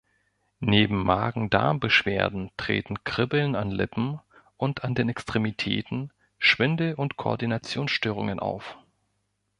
Neben Magen-Darmbeschwerden treten Kribbeln an Lippen und an den Extremitäten, Schwindel und Koordinationsstörungen auf.